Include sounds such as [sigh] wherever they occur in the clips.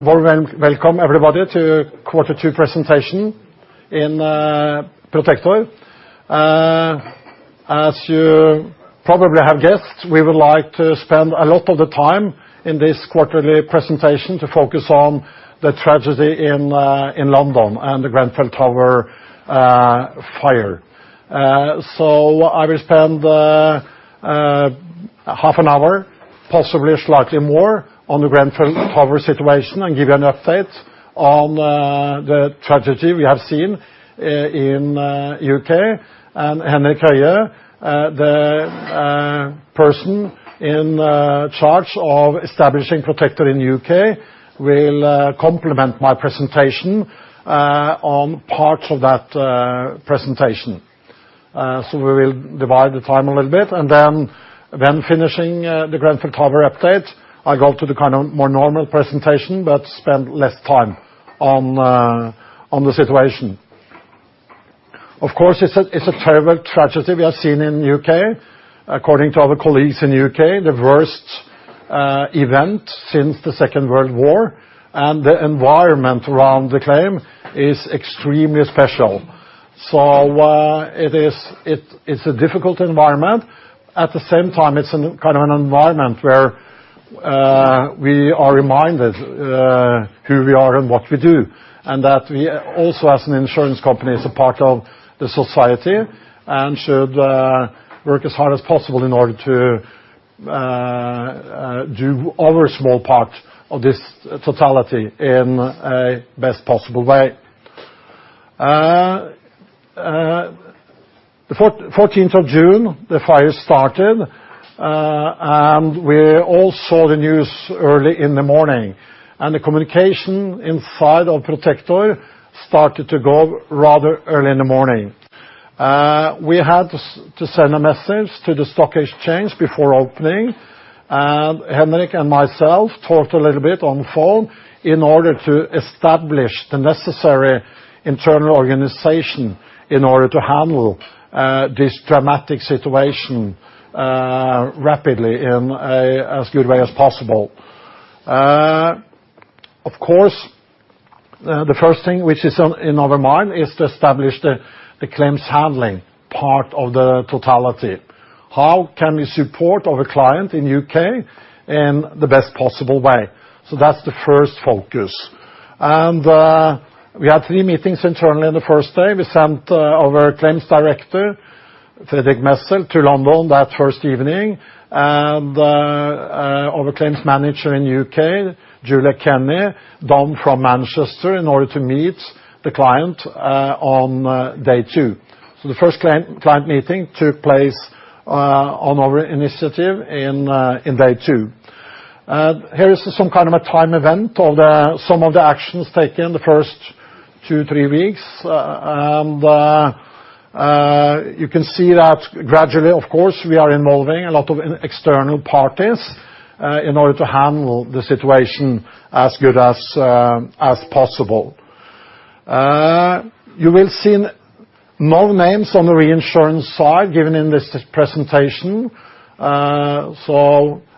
Warmly welcome everybody to quarter two presentation in Protector. As you probably have guessed, we would like to spend a lot of the time in this quarterly presentation to focus on the tragedy in London and the Grenfell Tower fire. I will spend half an hour, possibly slightly more, on the Grenfell Tower situation and give you an update on the tragedy we have seen in U.K. Henrik Høye, the person in charge of establishing Protector in U.K., will complement my presentation on parts of that presentation. We will divide the time a little bit, and then when finishing the Grenfell Tower update, I go to the more normal presentation, but spend less time on the situation. Of course, it's a terrible tragedy we have seen in the U.K. According to our colleagues in the U.K., the worst event since the Second World War, the environment around the claim is extremely special. It is a difficult environment. At the same time, it's a kind of an environment where we are reminded who we are and what we do, and that we also, as an insurance company, as a part of the society, should work as hard as possible in order to do our small part of this totality in a best possible way. The 14th of June, the fire started, we all saw the news early in the morning, the communication inside of Protector started to go rather early in the morning. We had to send a message to the stock exchange before opening, Henrik and myself talked a little bit on phone in order to establish the necessary internal organization in order to handle this dramatic situation rapidly in as good way as possible. Of course, the first thing which is in our mind is to establish the claims handling part of the totality. How can we support our client in U.K. in the best possible way? That's the first focus. We had three meetings internally on the first day. We sent our Claims Director, Fredrik Messel, to London that first evening, and our claims manager in U.K., Julia Kenny, down from Manchester in order to meet the client on day two. The first client meeting took place on our initiative in day two. Here is some kind of a time event of some of the actions taken the first two, three weeks. You can see that gradually, of course, we are involving a lot of external parties in order to handle the situation as good as possible. You will see no names on the reinsurance side given in this presentation.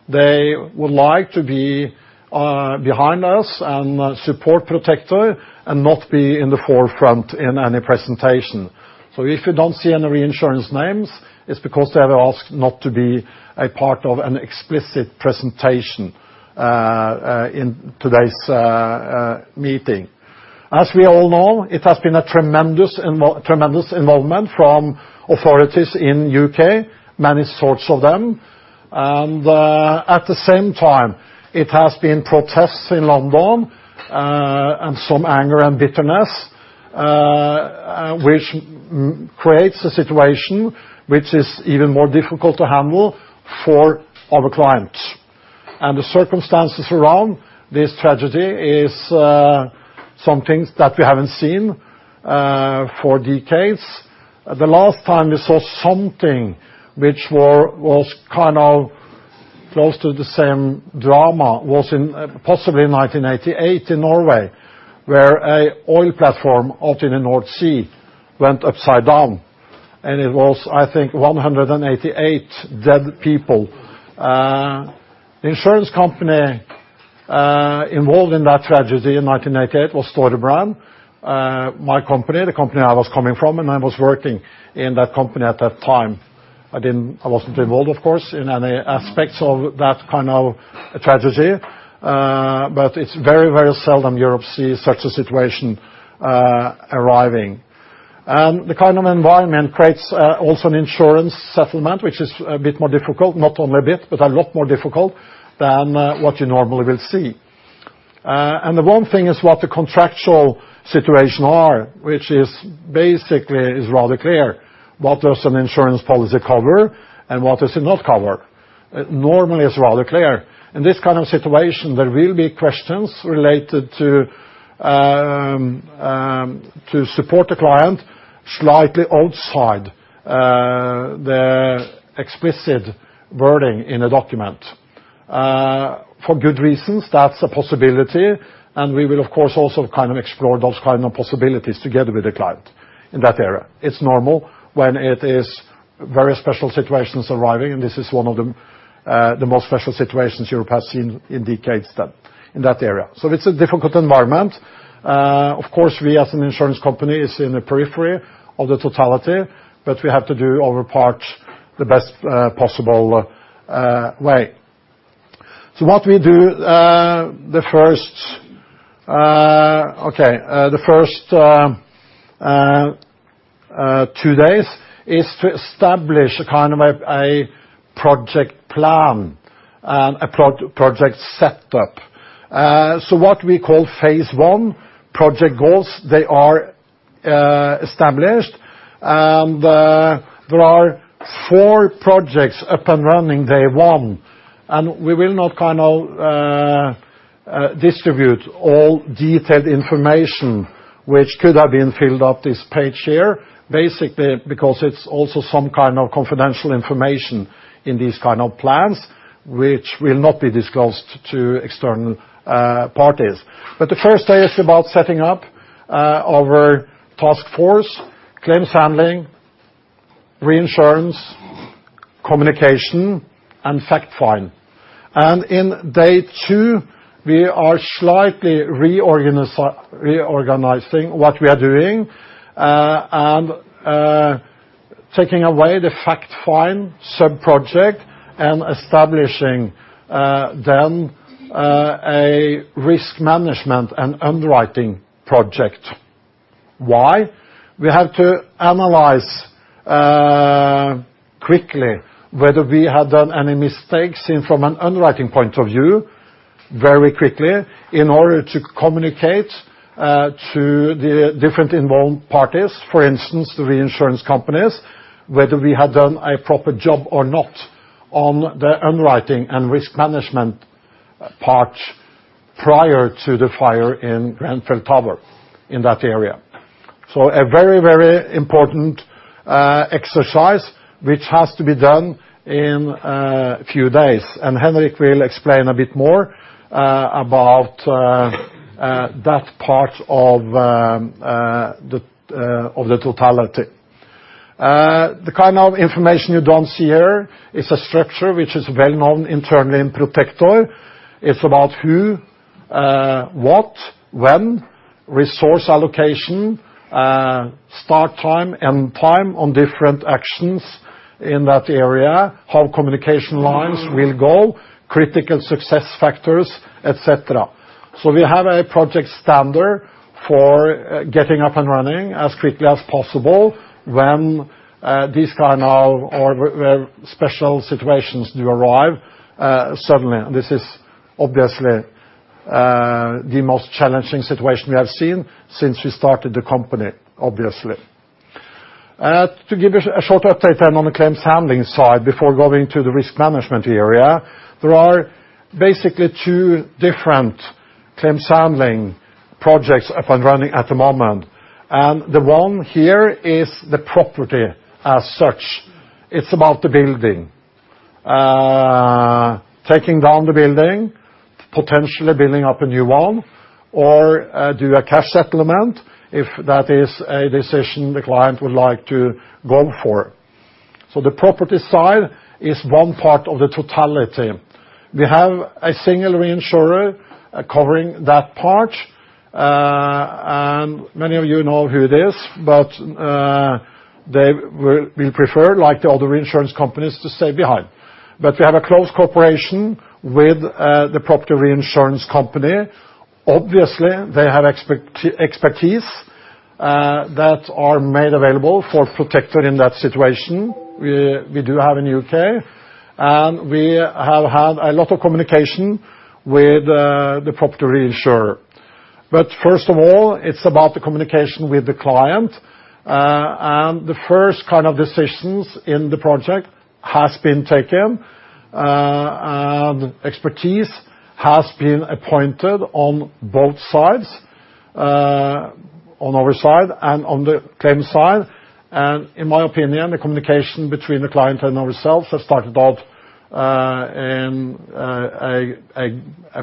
They would like to be behind us and support Protector and not be in the forefront in any presentation. If you don't see any reinsurance names, it's because they have asked not to be a part of an explicit presentation in today's meeting. As we all know, it has been a tremendous involvement from authorities in U.K., many sorts of them. At the same time, it has been protests in London, and some anger and bitterness, which creates a situation which is even more difficult to handle for our clients. The circumstances around this tragedy is some things that we haven't seen for decades. The last time we saw something which was close to the same drama was in possibly 1988 in Norway, where an oil platform out in the North Sea went upside down, and it was, I think, 188 dead people. The insurance company involved in that tragedy in 1988 was Storebrand, my company, the company I was coming from, and I was working in that company at that time. I wasn't involved, of course, in any aspects of that kind of a tragedy. It's very seldom Europe sees such a situation arriving. The kind of environment creates also an insurance settlement, which is a bit more difficult, not only a bit, but a lot more difficult than what you normally will see. The one thing is what the contractual situation is, which is basically rather clear. What does an insurance policy cover and what does it not cover? Normally, it's rather clear. In this kind of situation, there will be questions related to support the client slightly outside the explicit wording in a document. For good reasons, that's a possibility, and we will of course, also explore those kind of possibilities together with the client in that area. It's normal when it is very special situations arriving, and this is one of them. The most special situations Europe has seen in decades in that area. It's a difficult environment. Of course, we as an insurance company are in the periphery of the totality, but we have to do our part the best possible way. What we do the first 2 days is to establish a project plan and a project set up. What we call phase 1 project goals, they are established. There are 4 projects up and running day 1. We will not distribute all detailed information which could have been filled up this page here, basically, because it's also some kind of confidential information in these kind of plans, which will not be disclosed to external parties. The first day is about setting up our task force, claims handling, reinsurance, communication, and fact find. In day 2, we are slightly reorganizing what we are doing, and taking away the fact find sub-project and establishing a risk management and underwriting project. Why? We have to analyze quickly whether we have done any mistakes and from an underwriting point of view very quickly in order to communicate to the different involved parties, for instance, the reinsurance companies, whether we have done a proper job or not on the underwriting and risk management part prior to the fire in Grenfell Tower, in that area. A very important exercise, which has to be done in a few days. Henrik will explain a bit more about that part of the totality. The kind of information you don't see here is a structure which is well-known internally in Protector. It's about who, what, when, resource allocation, start time, end time on different actions in that area, how communication lines will go, critical success factors, et cetera. We have a project standard for getting up and running as quickly as possible when these kind of, or where special situations do arrive suddenly. This is obviously the most challenging situation we have seen since we started the company. To give you a short update on the claims handling side before going to the risk management area. There are basically two different claims handling projects up and running at the moment. The one here is the property as such. It is about the building. Taking down the building, potentially building up a new one, or do a cash settlement if that is a decision the client would like to go for. The property side is one part of the totality. We have a single reinsurer covering that part. Many of you know who it is, but they will prefer, like the other reinsurance companies, to stay behind. We have a close cooperation with the property reinsurance company. Obviously, they have expertise that are made available for Protector in that situation. We do have in U.K., and we have had a lot of communication with the property reinsurer. First of all, it is about the communication with the client. The first decisions in the project has been taken, and expertise has been appointed on both sides, on our side and on the claim side. In my opinion, the communication between the client and ourselves has started off in a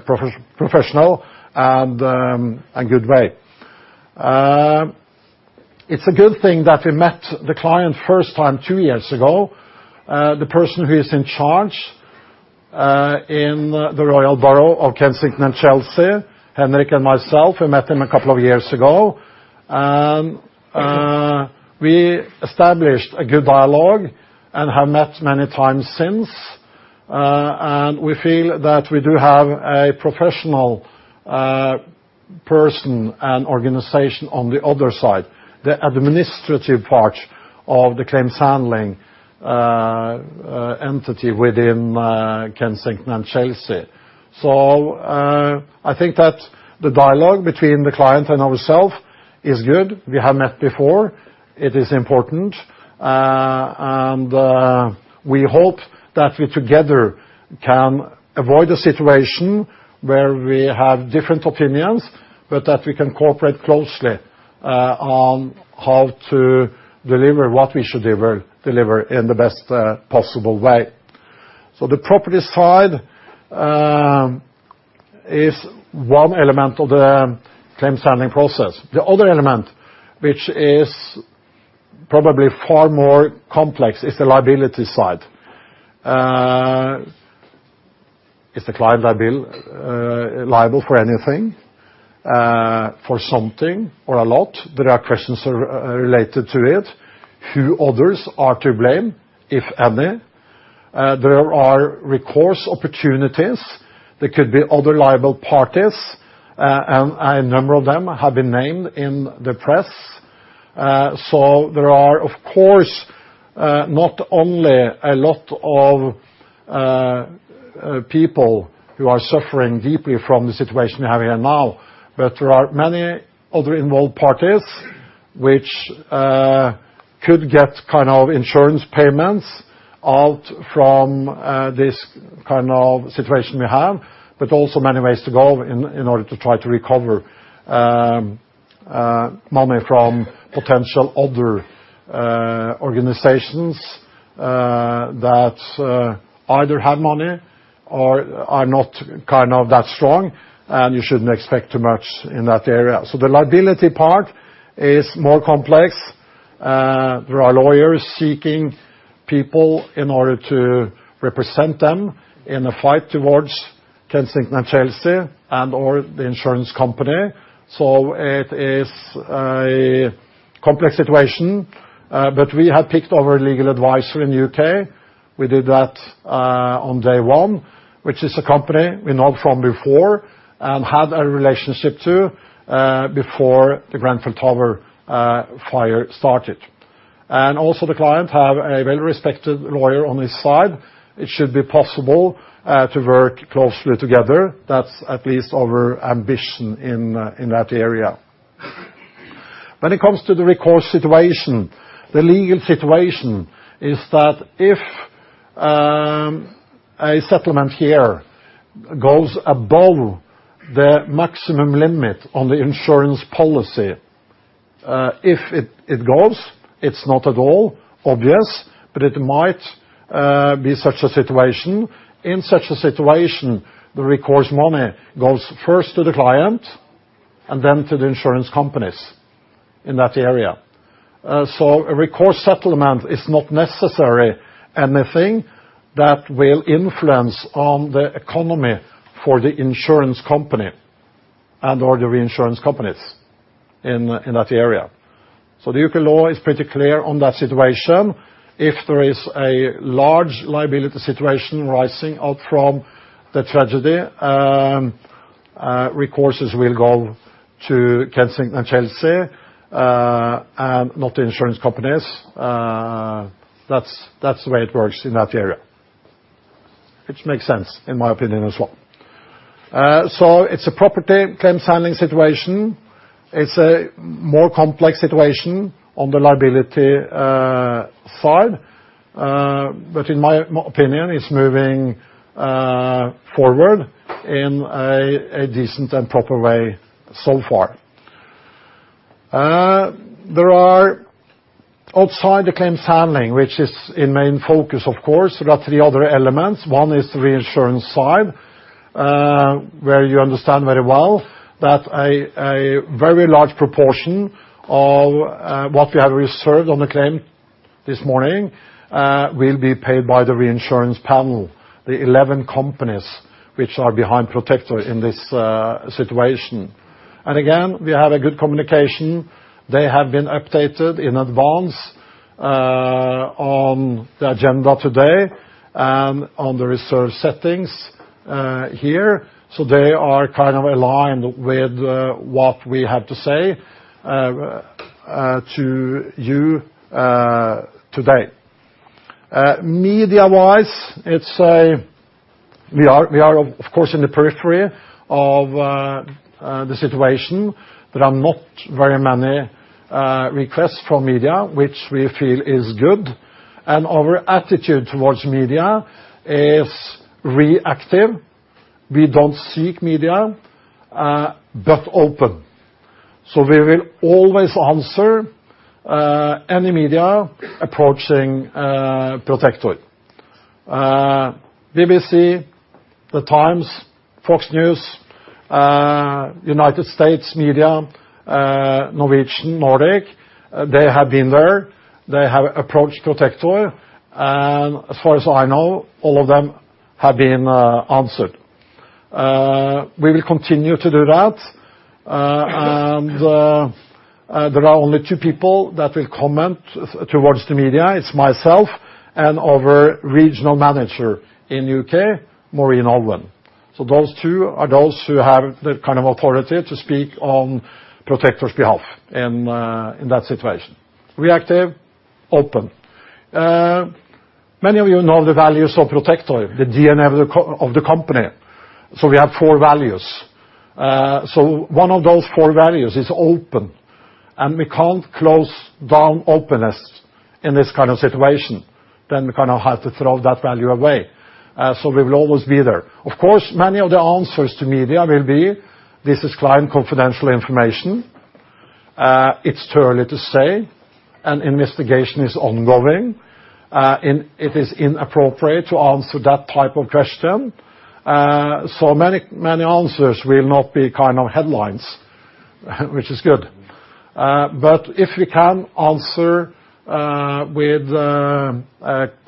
professional and a good way. It is a good thing that we met the client first time two years ago. The person who is in charge in the Royal Borough of Kensington and Chelsea, Henrik and myself, we met him a couple of years ago. We established a good dialogue and have met many times since. We feel that we do have a professional person and organization on the other side, the administrative part of the claims handling entity within Kensington and Chelsea. I think that the dialogue between the client and ourself is good. We have met before. It is important. We hope that we together can avoid a situation where we have different opinions, but that we can cooperate closely on how to deliver what we should deliver in the best possible way. The property side is one element of the claims handling process. The other element, which is probably far more complex, is the liability side. Is the client liable for anything? For something or a lot? There are questions related to it. Who others are to blame, if any? There are recourse opportunities. There could be other liable parties, and a number of them have been named in the press. There are, of course, not only a lot of people who are suffering deeply from the situation we have here now, but there are many other involved parties which could get insurance payments out from this kind of situation we have, but also many ways to go in order to try to recover money from potential other organizations that either have money or are not that strong, and you shouldn't expect too much in that area. The liability part is more complex. There are lawyers seeking people in order to represent them in a fight towards Kensington and Chelsea and/or the insurance company. It is a complex situation. We have picked our legal advisor in U.K. We did that on day one, which is a company we know from before and had a relationship to before the Grenfell Tower fire started. Also the client have a well-respected lawyer on his side. It should be possible to work closely together. That's at least our ambition in that area. When it comes to the recourse situation, the legal situation is that if a settlement here goes above the maximum limit on the insurance policy, if it goes. It's not at all obvious, but it might be such a situation. In such a situation, the recourse money goes first to the client and then to the insurance companies in that area. A recourse settlement is not necessarily anything that will influence on the economy for the insurance company and/or the reinsurance companies in that area. The U.K. law is pretty clear on that situation. If there is a large liability situation arising up from the tragedy, recourses will go to Kensington and Chelsea, not the insurance companies. That's the way it works in that area. Which makes sense in my opinion as well. It's a property claims handling situation. It's a more complex situation on the liability side. In my opinion, it's moving forward in a decent and proper way so far. There are outside the claims handling, which is in main focus, of course, there are three other elements. One is the reinsurance side, where you understand very well that a very large proportion of what we have reserved on the claim this morning will be paid by the reinsurance panel. The 11 companies which are behind Protector in this situation. Again, we have a good communication. They have been updated in advance on the agenda today and on the reserve settings here. They are aligned with what we have to say to you today. Media-wise, we are, of course, in the periphery of the situation. There are not very many requests from media, which we feel is good. Our attitude towards media is reactive. We don't seek media, but open. We will always answer any media approaching Protector. BBC, The Times, Fox News, U.S. media, Norwegian, Nordic, they have been there. They have approached Protector, and as far as I know, all of them have been answered. We will continue to do that. There are only two people that will comment towards the media. It's myself and our regional manager in U.K., Mairi Olwen. Those two are those who have the authority to speak on Protector's behalf in that situation. Reactive, open. Many of you know the values of Protector, the DNA of the company. We have four values. One of those four values is open, and we can't close down openness in this kind of situation. We have to throw that value away. We will always be there. Of course, many of the answers to media will be, this is client confidential information. It's too early to say. An investigation is ongoing. It is inappropriate to answer that type of question. Many answers will not be kind of headlines, which is good. If we can answer with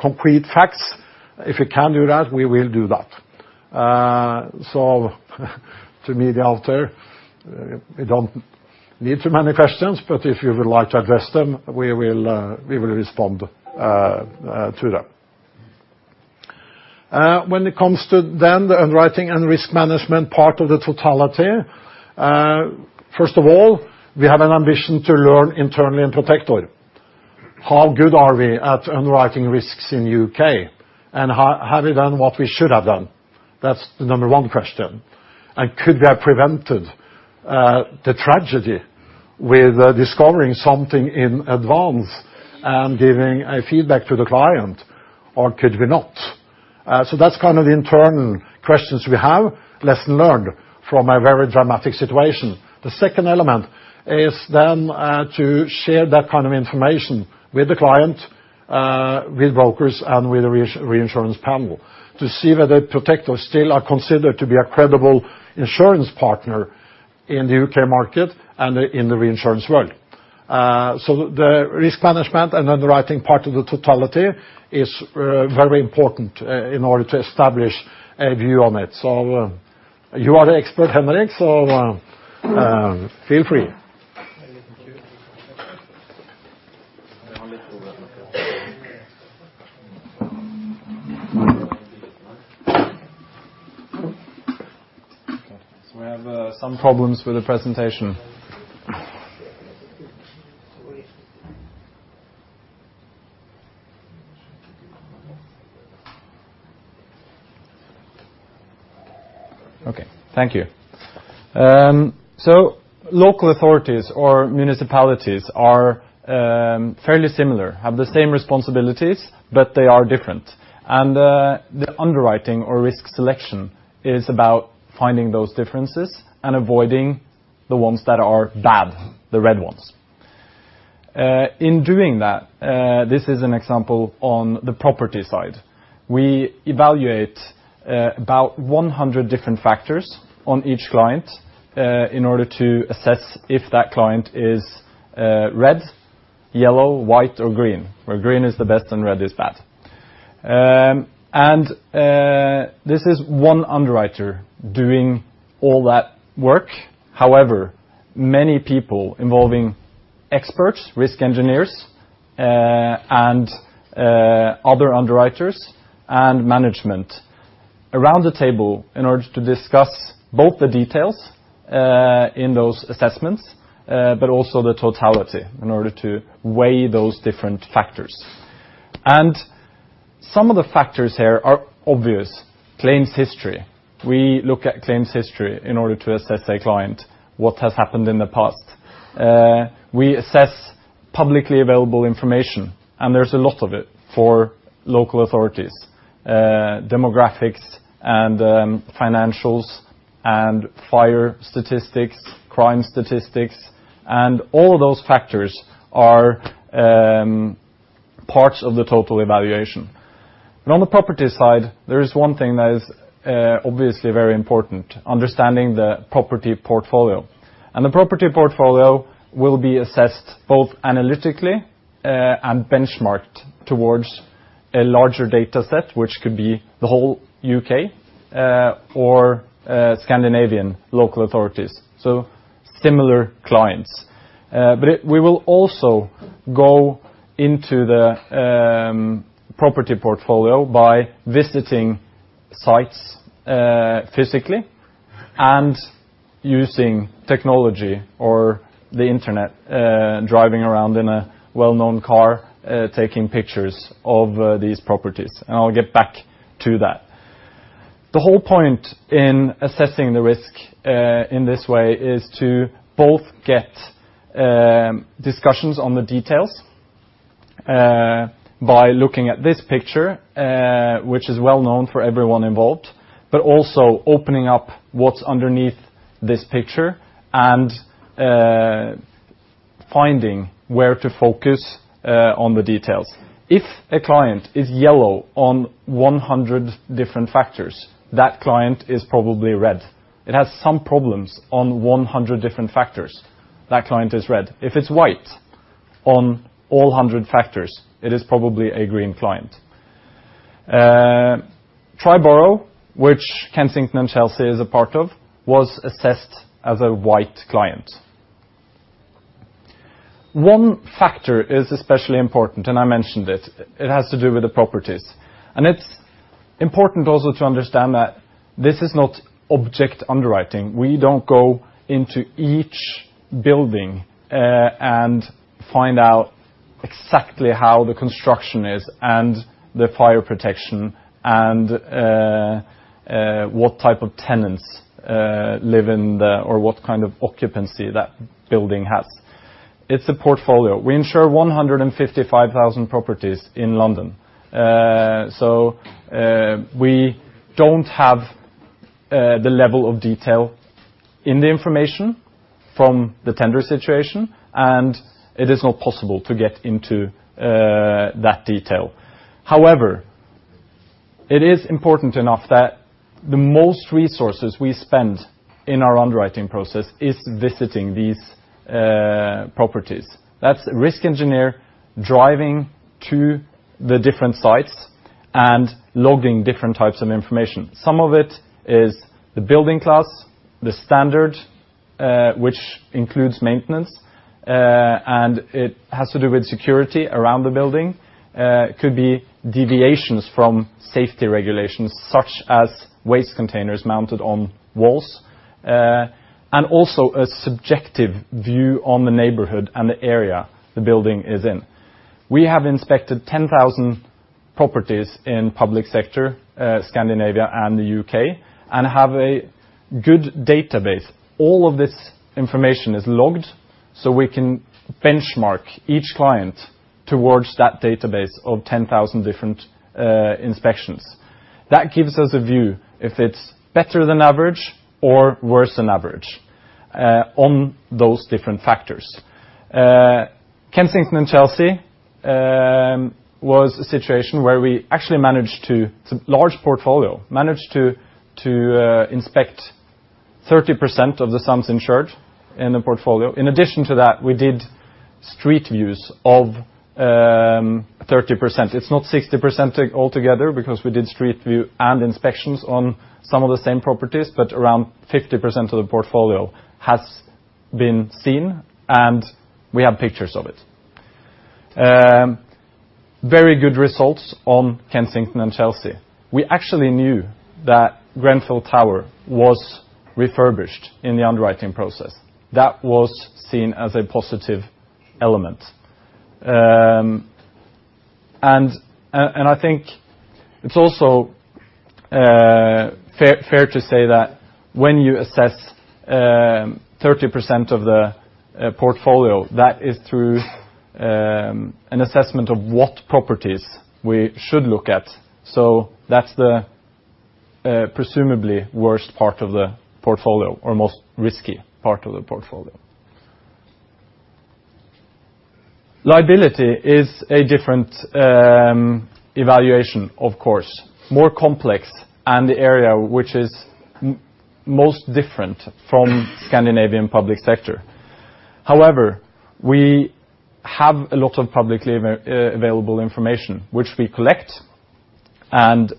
concrete facts, if we can do that, we will do that. To me out there, we don't need too many questions, but if you would like to address them, we will respond to them. When it comes to then the underwriting and risk management part of the totality. First of all, we have an ambition to learn internally in Protector. How good are we at underwriting risks in the U.K.? Have we done what we should have done? That's the number one question. Could we have prevented the tragedy with discovering something in advance and giving a feedback to the client? Or could we not? That's kind of the internal questions we have, lesson learned from a very dramatic situation. The second element is then to share that kind of information with the client, with brokers, and with the reinsurance panel to see whether Protector still are considered to be a credible insurance partner in the U.K. market and in the reinsurance world. The risk management and underwriting part of the totality is very important in order to establish a view on it. You are the expert, Henrik, so feel free. Thank you. Okay. We have some problems with the presentation. Okay. Thank you. Local authorities or municipalities are fairly similar, have the same responsibilities, but they are different. The underwriting or risk selection is about finding those differences and avoiding the ones that are bad, the red ones. In doing that, this is an example on the property side. We evaluate about 100 different factors on each client, in order to assess if that client is red, yellow, white, or green, where green is the best and red is bad. This is one underwriter doing all that work. However, many people involving experts, risk engineers, and other underwriters, and management around the table in order to discuss both the details in those assessments, but also the totality in order to weigh those different factors. Some of the factors here are obvious. Claims history. We look at claims history in order to assess a client, what has happened in the past. We assess publicly available information, there's a lot of it for local authorities. Demographics and financials and fire statistics, crime statistics, and all of those factors are parts of the total evaluation. On the property side, there is one thing that is obviously very important: understanding the property portfolio. The property portfolio will be assessed both analytically and benchmarked towards a larger data set, which could be the whole U.K. or Scandinavian local authorities. Similar clients. We will also go into the property portfolio by visiting sites physically and using technology or the internet driving around in a well-known car taking pictures of these properties. I'll get back to that. The whole point in assessing the risk in this way is to both get discussions on the details by looking at this picture, which is well known for everyone involved. Also opening up what's underneath this picture and finding where to focus on the details. If a client is yellow on 100 different factors, that client is probably red. It has some problems on 100 different factors. That client is red. If it's white on all 100 factors, it is probably a green client. Tri-Borough, which Kensington and Chelsea is a part of, was assessed as a white client. One factor is especially important, and I mentioned it. It has to do with the properties. It's important also to understand that this is not object underwriting. We don't go into each building and find out exactly how the construction is and the fire protection and what type of tenants live in there or what kind of occupancy that building has. It's a portfolio. We insure 155,000 properties in London. We don't have The level of detail in the information from the tender situation, and it is not possible to get into that detail. However, it is important enough that the most resources we spend in our underwriting process is visiting these properties. That's risk engineer driving to the different sites and logging different types of information. Some of it is the building class, the standard, which includes maintenance, and it has to do with security around the building. Could be deviations from safety regulations such as waste containers mounted on walls, and also a subjective view on the neighborhood and the area the building is in. We have inspected 10,000 properties in public sector, Scandinavia and the U.K., and have a good database. All of this information is logged so we can benchmark each client towards that database of 10,000 different inspections. That gives us a view if it's better than average or worse than average on those different factors. Kensington and Chelsea was a situation where we actually managed to, it's large portfolio, manage to inspect 30% of the sums insured in the portfolio. In addition to that, we did street views of 30%. It's not 60% altogether because we did street view and inspections on some of the same properties, but around 50% of the portfolio has been seen, and we have pictures of it. Very good results on Kensington and Chelsea. We actually knew that Grenfell Tower was refurbished in the underwriting process. That was seen as a positive element. I think it's also fair to say that when you assess 30% of the portfolio, that is through an assessment of what properties we should look at. That's the presumably worst part of the portfolio, or most risky part of the portfolio. Liability is a different evaluation, of course. More complex and the area which is most different from Scandinavian public sector. However, we have a lot of publicly available information which we collect and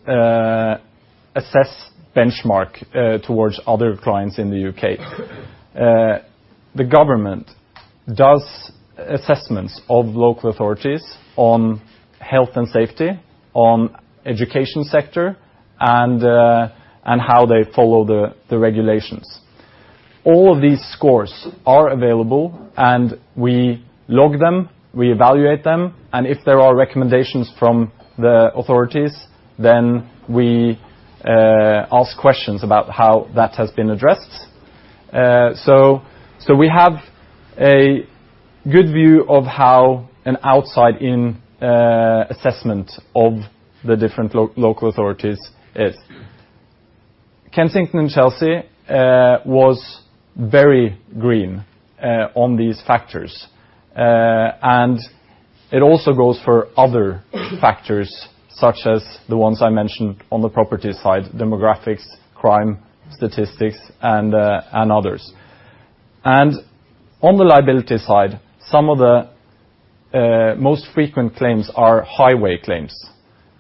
assess benchmark towards other clients in the U.K. The government does assessments of local authorities on health and safety, on education sector, and how they follow the regulations. We log them, we evaluate them, and if there are recommendations from the authorities, then we ask questions about how that has been addressed. We have a good view of how an outside in assessment of the different local authorities is. Kensington and Chelsea was very green on these factors. It also goes for other factors, such as the ones I mentioned on the property side, demographics, crime statistics and others. On the liability side, some of the most frequent claims are highway claims,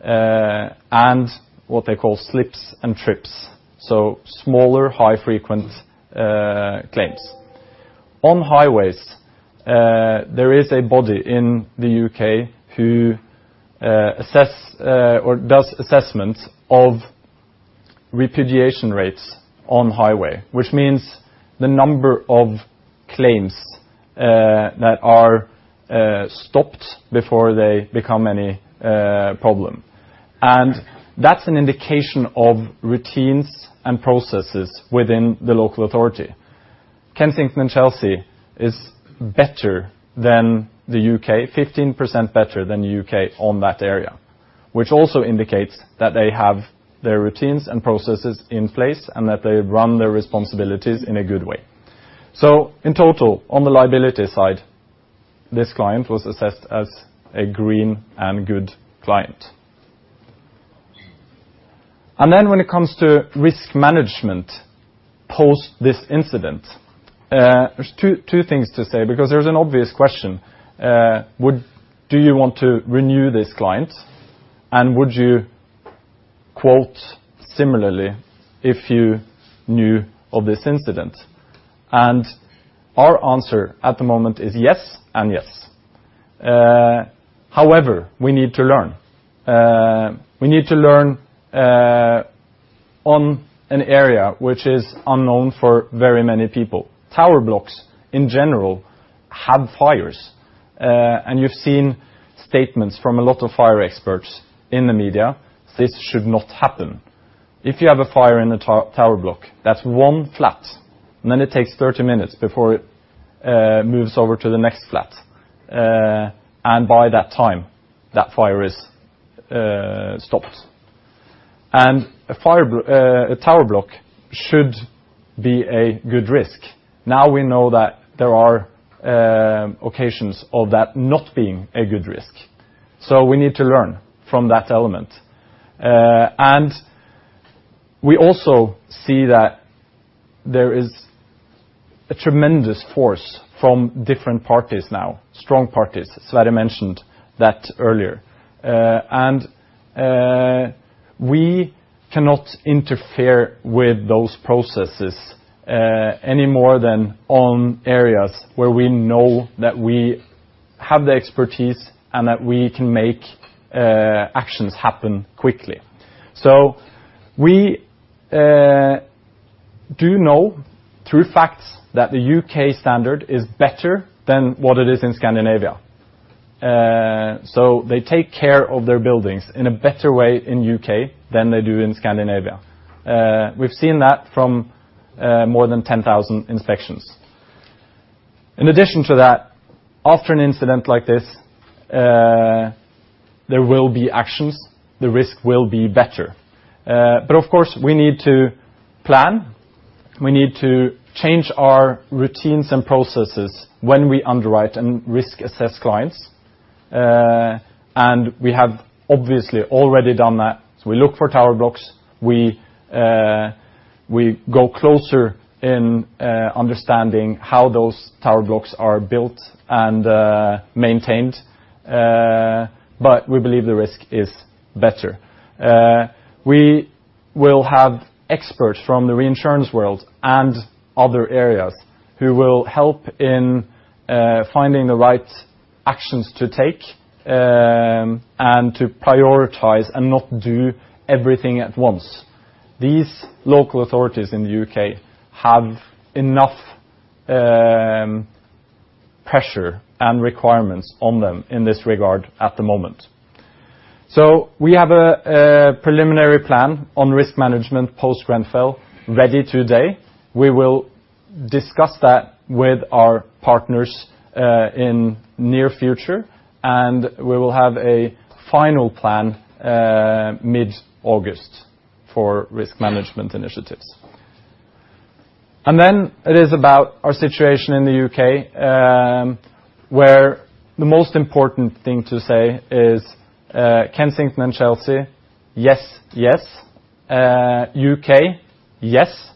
and what they call slips and trips, so smaller, high frequent claims. On highways, there is a body in the U.K. who assess or does assessments of repudiation rates on highway, which means the number of claims that are stopped before they become any problem. That's an indication of routines and processes within the local authority. Kensington and Chelsea is better than the U.K., 15% better than U.K. on that area. It also indicates that they have their routines and processes in place, and that they run their responsibilities in a good way. In total, on the liability side, this client was assessed as a green and good client. When it comes to risk management post this incident, there's two things to say because there's an obvious question. Do you want to renew this client? Would you quote similarly if you knew of this incident? Our answer at the moment is yes and yes. However, we need to learn. We need to learn on an area which is unknown for very many people. Tower blocks, in general, have fires. You've seen statements from a lot of fire experts in the media. This should not happen. If you have a fire in a tower block, that's one flat, it takes 30 minutes before it moves over to the next flat. By that time, that fire is stopped. A tower block should be a good risk. Now we know that there are occasions of that not being a good risk. We need to learn from that element. We also see that there is a tremendous force from different parties now, strong parties. Sverre mentioned that earlier. We cannot interfere with those processes any more than on areas where we know that we have the expertise and that we can make actions happen quickly. We do know through facts that the U.K. standard is better than what it is in Scandinavia. They take care of their buildings in a better way in U.K. than they do in Scandinavia. We've seen that from more than 10,000 inspections. In addition to that, after an incident like this, there will be actions. The risk will be better. Of course, we need to plan. We need to change our routines and processes when we underwrite and risk assess clients. We have obviously already done that. We look for tower blocks. We go closer in understanding how those tower blocks are built and maintained. We believe the risk is better. We will have experts from the reinsurance world and other areas who will help in finding the right actions to take and to prioritize and not do everything at once. These local authorities in the U.K. have enough pressure and requirements on them in this regard at the moment. We have a preliminary plan on risk management post Grenfell ready today. We will discuss that with our partners in near future, and we will have a final plan mid August for risk management initiatives. Then it is about our situation in the U.K., where the most important thing to say is Kensington and Chelsea, yes. U.K., yes.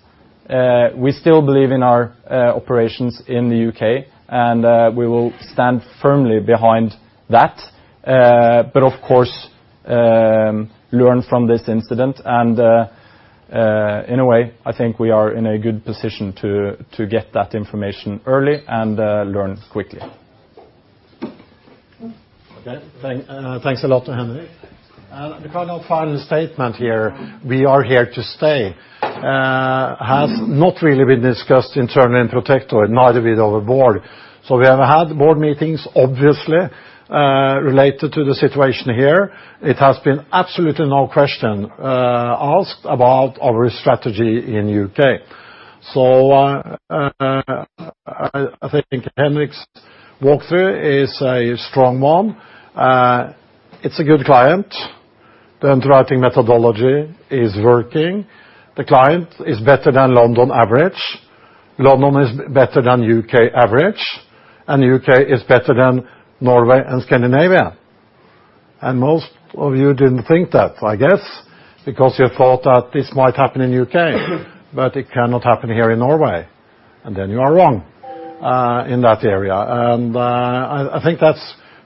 We still believe in our operations in the U.K., and we will stand firmly behind that. Of course, learn from this incident. In a way, I think we are in a good position to get that information early and learn quickly. Okay. Thanks a lot to Henrik. The kind of final statement here, we are here to stay, has not really been discussed internally in Protector, neither with our board. We have had board meetings, obviously related to the situation here. It has been absolutely no question asked about our strategy in U.K. I think Henrik's walkthrough is a strong one. It's a good client. The underwriting methodology is working. The client is better than London average. London is better than U.K. average, and U.K. is better than Norway and Scandinavia. Most of you didn't think that, I guess, because you thought that this might happen in U.K., but it cannot happen here in Norway. Then you are wrong in that area. I think that's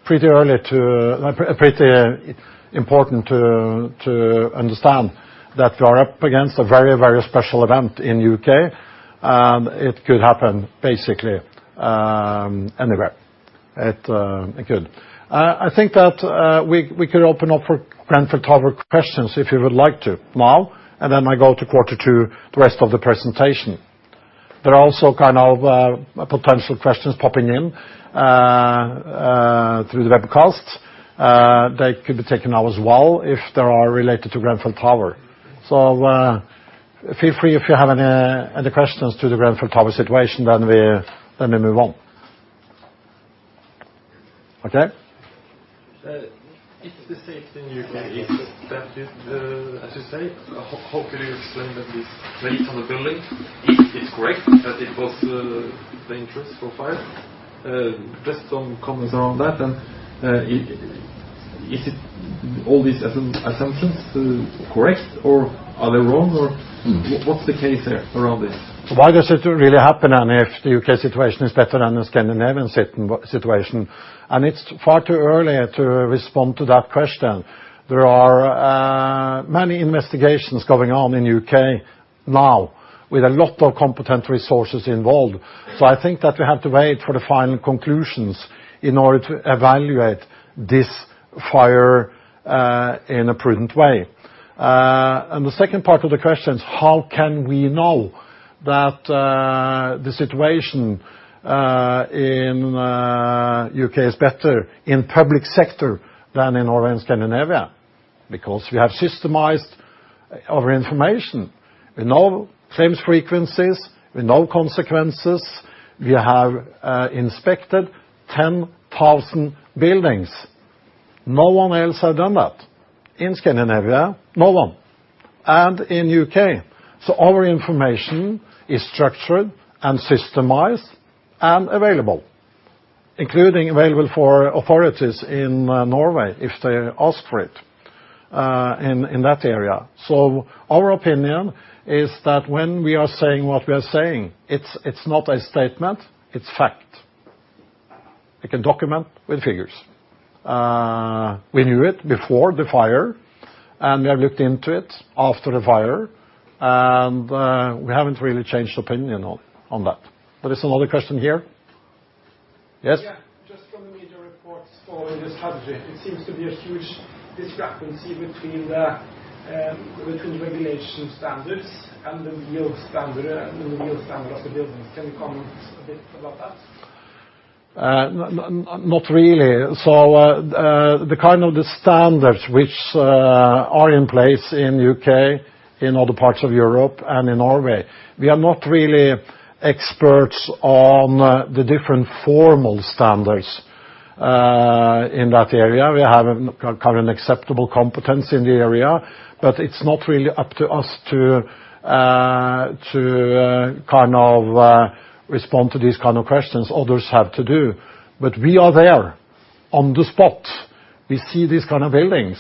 pretty important to understand that you are up against a very, very special event in U.K. It could happen basically anywhere. It could. I think that we could open up for Grenfell Tower questions if you would like to now, and then I go to quarter two, the rest of the presentation. There are also potential questions popping in through the webcast. They could be taken now as well if they are related to Grenfell Tower. Feel free if you have any questions to the Grenfell Tower situation, then we move on. Okay. Is the safety in U.K. is that, as you say, how can you explain that this place or the building is correct, that it was dangerous for fire? Just some comments around that, and is it all these assumptions correct, or are they wrong, or what's the case here around this? Why does it really happen, if the U.K. situation is better than the Scandinavian situation? It's far too early to respond to that question. There are many investigations going on in the U.K. now with a lot of competent resources involved. I think that we have to wait for the final conclusions in order to evaluate this fire in a prudent way. The second part of the question is how can we know that the situation in the U.K. is better in public sector than in Norway and Scandinavia? Because we have systemized our information. We know claims frequencies, we know consequences. We have inspected 10,000 buildings. No one else has done that in Scandinavia, no one in the U.K. Our information is structured and systemized and available, including available for authorities in Norway if they ask for it in that area. Our opinion is that when we are saying what we are saying, it's not a statement, it's fact. I can document with figures. We knew it before the fire, and we have looked into it after the fire, and we haven't really changed opinion on that. There is another question here? Yes. Just from the media reports following this tragedy, it seems to be a huge discrepancy between the regulation standards and the real standard of the building. Can you comment a bit about that? Not really. The kind of the standards which are in place in the U.K., in other parts of Europe and in Norway, we are not really experts on the different formal standards, in that area. We have a kind of an acceptable competence in the area. It's not really up to us to respond to these kind of questions others have to do. We are there on the spot. We see these kind of buildings.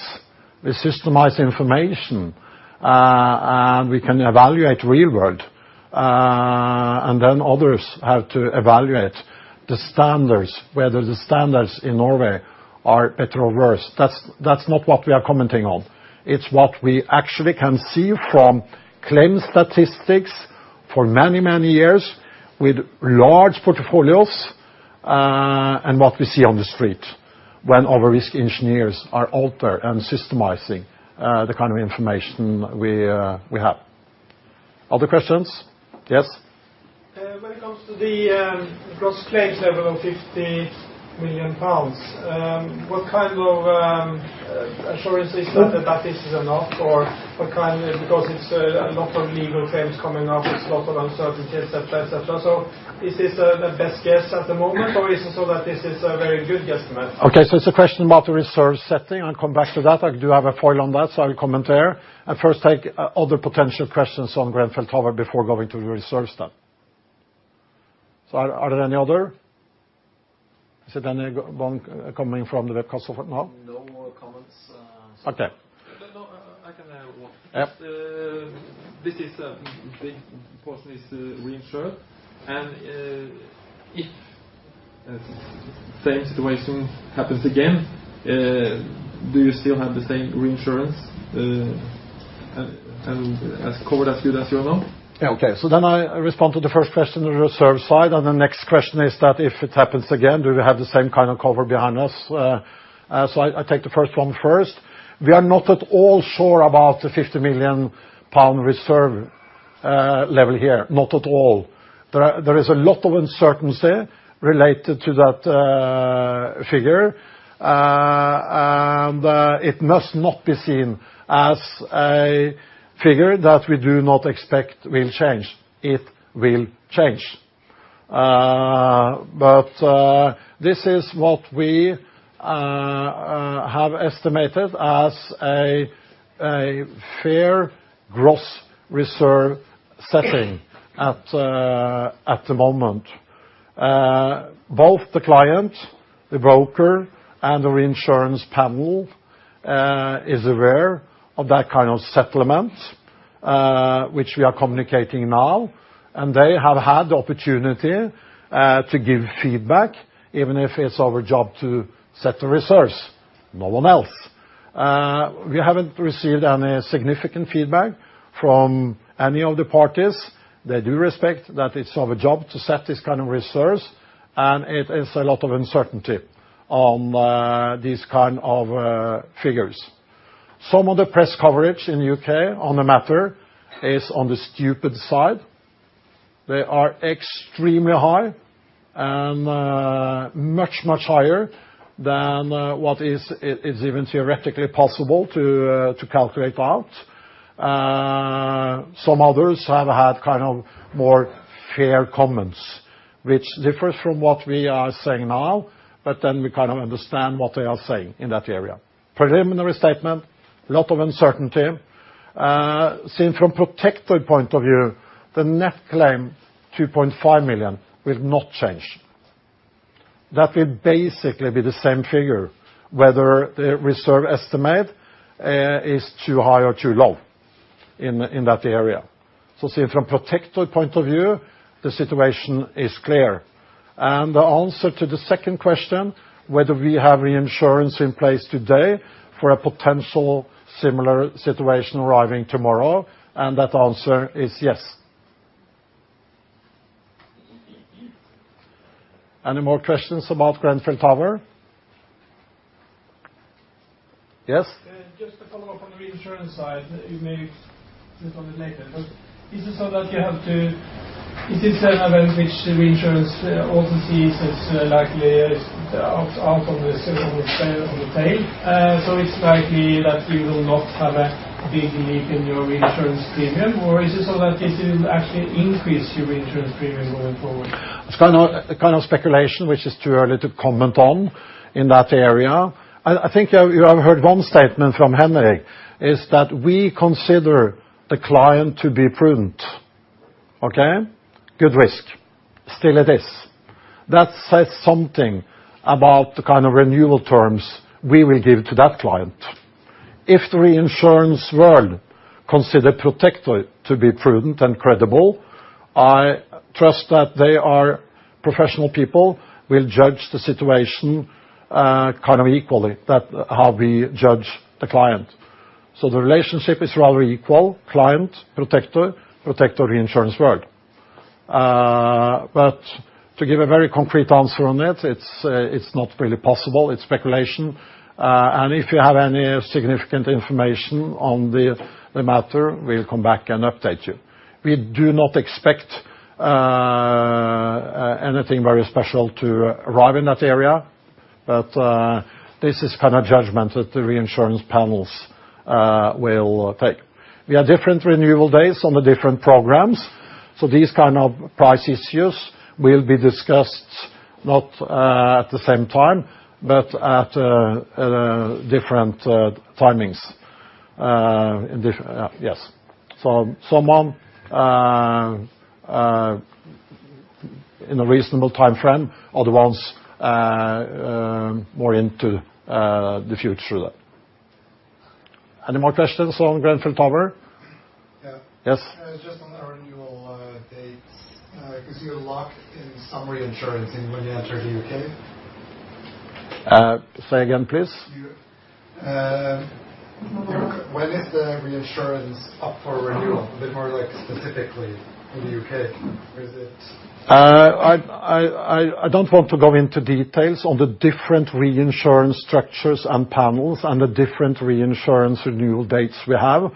We systemize information, and we can evaluate real world. Then others have to evaluate the standards, whether the standards in Norway are better or worse. That's not what we are commenting on. It's what we actually can see from claims statistics for many, many years with large portfolios, and what we see on the street when our risk engineers are out there and systemizing the kind of information we have. Other questions? Yes. When it comes to the gross claims level of 50 million pounds, what kind of assurance is that this is enough? It's a lot of legal claims coming up. It's a lot of uncertainty, et cetera. Is this the best guess at the moment, or is it so that this is a very good guesstimate? Okay, it's a question about the reserve setting. I'll come back to that. I do have a foil on that, so I'll comment there. I first take other potential questions on Grenfell Tower before going to the reserve stuff. Are there any other? Is there any one coming from the webcast so far? No? No more comments. Okay. No, I can add one. Yeah. This is a big portion is reinsured, and if same situation happens again, do you still have the same reinsurance as covered as good as you are now? Yeah. Okay. I respond to the first question on the reserve side. The next question is that if it happens again, do we have the same kind of cover behind us? I take the first one first. We are not at all sure about the £50 million reserve level here. Not at all. There is a lot of uncertainty related to that figure. It must not be seen as a figure that we do not expect will change. It will change. This is what we have estimated as a fair gross reserve setting at the moment. Both the client, the broker, and the reinsurance panel is aware of that kind of settlement, which we are communicating now, and they have had the opportunity to give feedback, even if it's our job to set the reserves. No one else. We haven't received any significant feedback from any of the parties. They do respect that it's our job to set this kind of reserves, and it is a lot of uncertainty on these kind of figures. Some of the press coverage in U.K. on the matter is on the stupid side. They are extremely high and much, much higher than what is even theoretically possible to calculate out. Some others have had more fair comments, which differs from what we are saying now, but then we understand what they are saying in that area. Preliminary statement, a lot of uncertainty. Seen from Protector point of view, the net claim 2.5 million will not change. That will basically be the same figure, whether the reserve estimate is too high or too low in that area. Seen from Protector point of view, the situation is clear. The answer to the second question, whether we have reinsurance in place today for a potential similar situation arriving tomorrow, and that answer is yes. Any more questions about Grenfell Tower? Yes. Just to follow up on the reinsurance side, you may get on it later. Is it so that it is an event which reinsurance also sees as likely out on the tail? It's likely that you will not have a big leap in your reinsurance premium, or is it so that this will actually increase your reinsurance premium going forward? It's speculation which is too early to comment on in that area. I think you have heard one statement from Henrik, is that we consider the client to be prudent. Okay? Good risk. Still it is. That says something about the kind of renewal terms we will give to that client. If the reinsurance world consider Protector to be prudent and credible, I trust that they are professional people, will judge the situation equally, how we judge the client. The relationship is rather equal. Client, Protector reinsurance world. To give a very concrete answer on it's not really possible. It's speculation. If you have any significant information on the matter, we'll come back and update you. We do not expect anything very special to arrive in that area, but this is a judgment that the reinsurance panels will take. We have different renewal dates on the different programs. These kind of price issues will be discussed not at the same time, but at different timings. Yes. Some in a reasonable timeframe, other ones more into the future. Any more questions on Grenfell Tower? Yeah. Yes. Just on the renewal dates. Because you lock in some reinsurance when you enter the U.K. Say again, please. When is the reinsurance up for renewal? More specifically in the U.K. I don't want to go into details on the different reinsurance structures and panels and the different reinsurance renewal dates we have.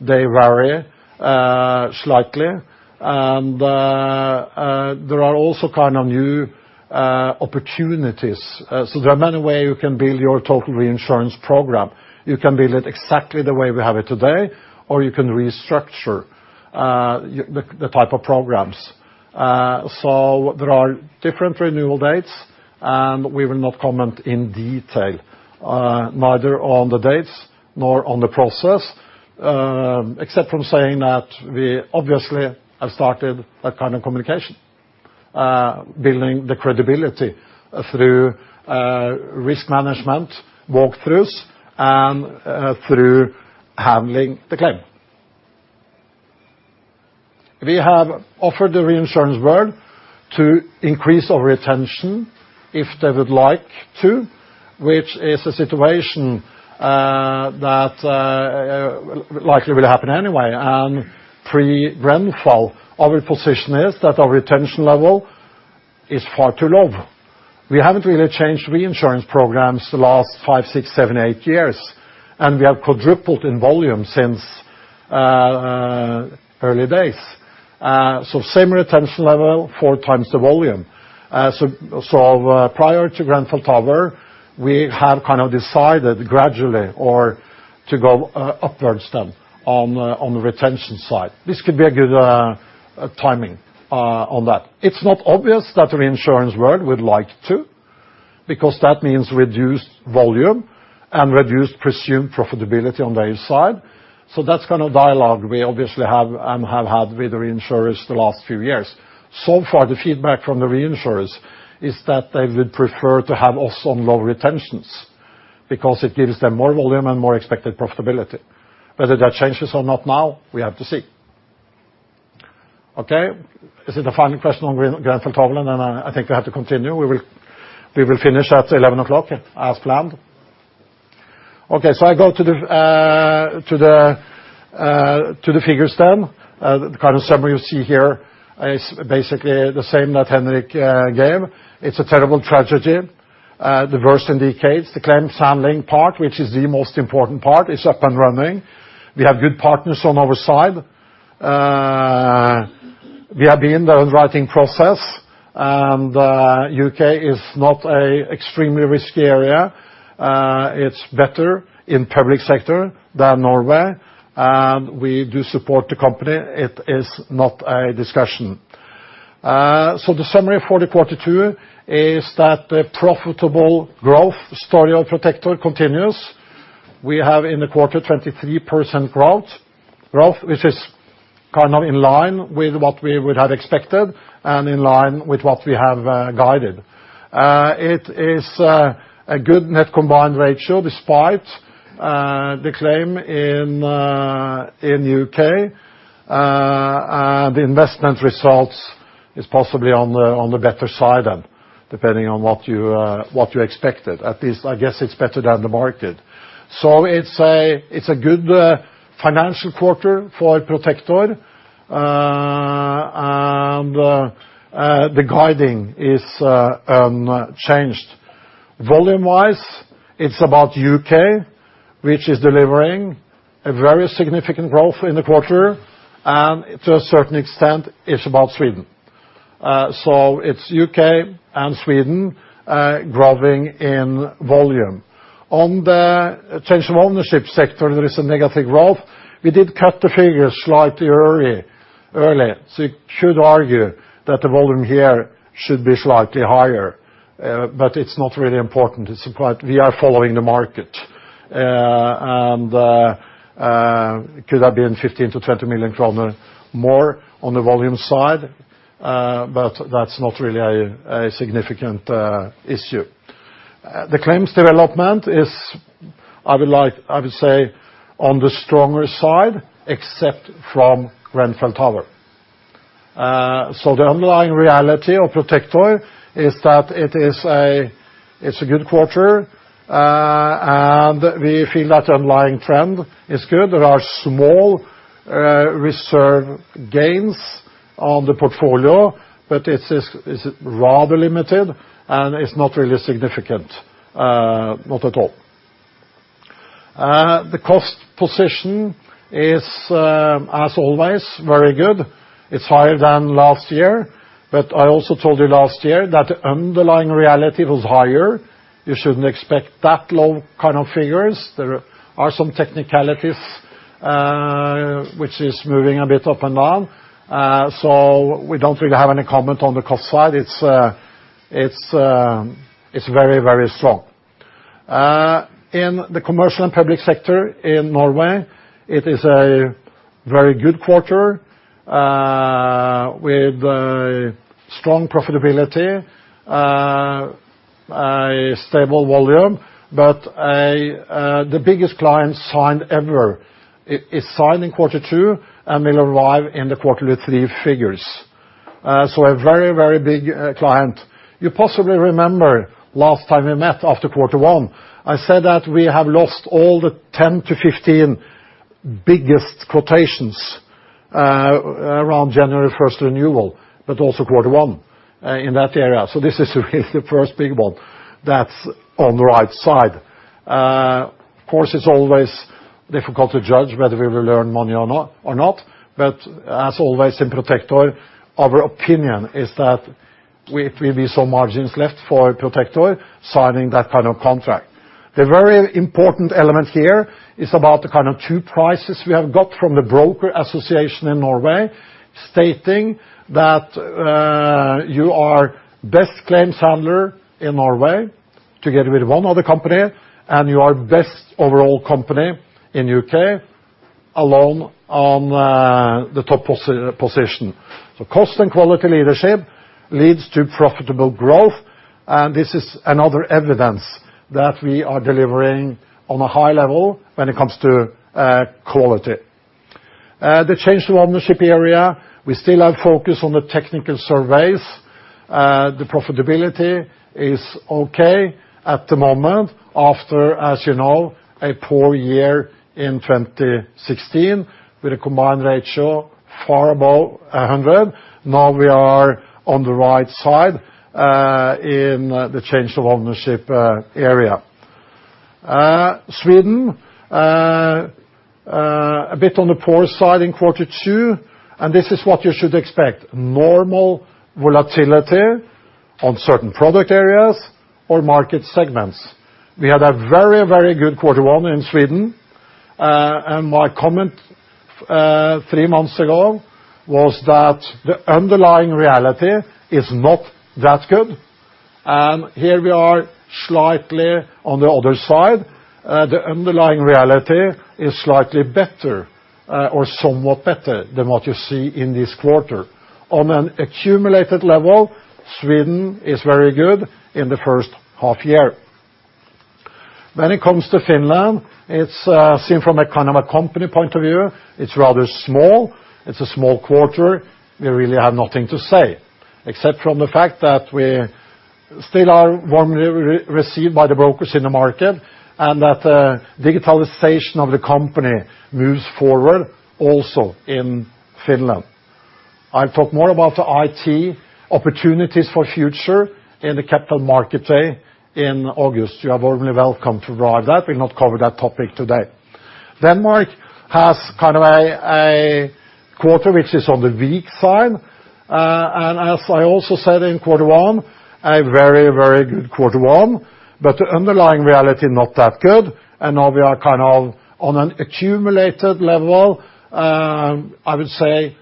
They vary slightly, and there are also new opportunities. There are many ways you can build your total reinsurance program. You can build it exactly the way we have it today, or you can restructure the type of programs. There are different renewal dates, and we will not comment in detail, neither on the dates nor on the process, except from saying that we obviously have started that kind of communication. Building the credibility through risk management walk-throughs and through handling the claim. We have offered the reinsurance world to increase our retention if they would like to, which is a situation that likely will happen anyway. Pre Grenfell, our position is that our retention level is far too low. We haven't really changed reinsurance programs the last five, six, seven, eight years, and we have quadrupled in volume since early days. Same retention level, four times the volume. Prior to Grenfell Tower, we have decided gradually or to go upwards then on the retention side. This could be a good timing on that. It's not obvious that reinsurance world would like to, because that means reduced volume and reduced presumed profitability on their side. That's dialogue we obviously have and have had with the reinsurers the last few years. So far, the feedback from the reinsurers is that they would prefer to have also low retentions because it gives them more volume and more expected profitability. Whether that changes or not now, we have to see. Okay? Is it the final question on Grenfell Tower, then? I think we have to continue. We will finish at 11:00, as planned. Okay. I go to the figures then. The summary you see here is basically the same that Henrik gave. It's a terrible tragedy. The worst in decades. The claims handling part, which is the most important part, is up and running. We have good partners on our side. We are being the underwriting process, and U.K. is not an extremely risky area. It's better in public sector than Norway. And we do support the company. It is not a discussion. The summary for the Q2 is that the profitable growth story of Protector continues. We have in the quarter 23% growth. Growth which is in line with what we would have expected and in line with what we have guided. It is a good net combined ratio despite the claim in U.K. The investment results is possibly on the better side then, depending on what you expected. At least I guess it's better than the market. It's a good financial quarter for Protector. The guiding is changed Volume-wise, it's about U.K., which is delivering a very significant growth in the quarter, and to a certain extent it's about Sweden. It's U.K. and Sweden growing in volume. On the Change of Ownership sector, there is a negative growth. We did cut the figures slightly early. You should argue that the volume here should be slightly higher. It's not really important. We are following the market. And could have been 15 million-20 million kroner more on the volume side, but that's not really a significant issue. The claims development is, I would say, on the stronger side, except from Grenfell Tower. The underlying reality of Protector is that it is a good quarter, and we feel that underlying trend is good. There are small reserve gains on the portfolio, but it is rather limited, and it's not really significant. Not at all. The cost position is, as always, very good. It's higher than last year, but I also told you last year that the underlying reality was higher. You shouldn't expect that low kind of figures. There are some technicalities which is moving a bit up and down. We don't really have any comment on the cost side. It's very strong. In the commercial and public sector in Norway, it is a very good quarter, with strong profitability, a stable volume. The biggest client signed ever is signed in quarter two and will arrive in the quarter three figures. So a very big client. You possibly remember last time we met after quarter one, I said that we have lost all the 10-15 biggest quotations around January 1st renewal, but also quarter one in that area. This is really the first big one that's on the right side. Of course, it's always difficult to judge whether we will earn money or not. As always in Protector, our opinion is that it will be some margins left for Protector signing that kind of contract. The very important element here is about the kind of two prizes we have got from the Broker Association in Norway, stating that you are best claims handler in Norway together with one other company, and you are best overall company in U.K. alone on the top position. Cost and quality leadership leads to profitable growth, and this is another evidence that we are delivering on a high level when it comes to quality. The Change of Ownership area, we still have focus on the technical surveys. The profitability is okay at the moment, after, as you know, a poor year in 2016 with a combined ratio far above 100. Now we are on the right side in the Change of Ownership area. Sweden, a bit on the poor side in quarter two. This is what you should expect. Normal volatility on certain product areas or market segments. We had a very good quarter one in Sweden. My comment 3 months ago was that the underlying reality is not that good. Here we are slightly on the other side. The underlying reality is slightly better or somewhat better than what you see in this quarter. On an accumulated level, Sweden is very good in the first half year. When it comes to Finland, seen from a company point of view, it's rather small. It's a small quarter. We really have nothing to say except from the fact that we still are warmly received by the brokers in the market, and that the digitalization of the company moves forward also in Finland. I'll talk more about the IT opportunities for future in the capital market day in August. You are warmly welcome to arrive. We'll not cover that topic today. Denmark has a quarter which is on the weak side. As I also said in quarter one, a very good quarter one, but the underlying reality not that good. Now we are on an accumulated level, I would say,